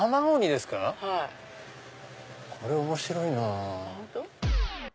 これ面白いなぁ。